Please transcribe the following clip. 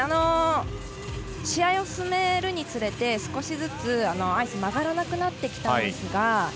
試合を進めるにつれて少しずつアイスが曲がらなくなってきたんですが。